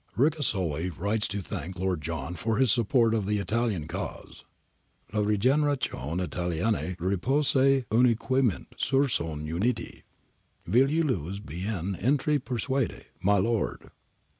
Ricasoli writes to thank Lord John for his support of the Italian cause. ' La regeneration I talienne repose uniquement sur son unite. Veuillez bien en etre persuade, My Lord.